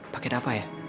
paket apa ya